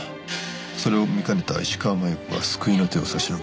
それを見かねた石川真悠子が救いの手を差し伸べ